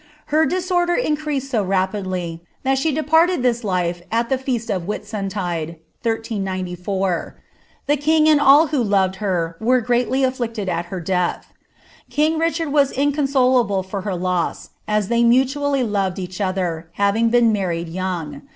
Her disorder increased wo nfi^. thai she departed this lile at the feast of Whitsuntide, 1 301. The Vm and all who loved her were greatly aJHicied at her death. Ktag RiehMd was inconsolable for her loss, as they mutually loved each other, kwii^ been married young.